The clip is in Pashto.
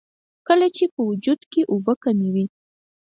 کله چې وجود کښې اوبۀ کمې وي